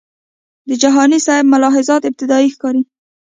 د جهانی سیب ملاحظات ابتدایي ښکاري.